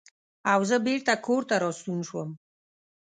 او زۀ بېرته کورته راستون شوم ـ